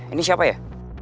ini siapa ya